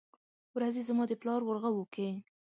ورځې زما دپلار ورغوو کې